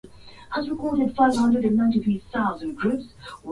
na hapa obama anatoa ushauri kwa rais atakaye